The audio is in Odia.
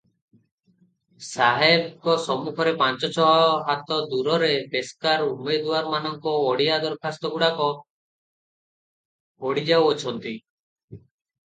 ସାହେବଙ୍କ ସମ୍ମୁଖ ପାଞ୍ଚ ଛ'ହାତ ଦୂରରେ ପେସ୍କାର ଉମେଦୁଆରମାନଙ୍କର ଓଡିଆ ଦରଖାସ୍ତ ଗୁଡ଼ାକ ପଢ଼ିଯାଉଅଛନ୍ତି ।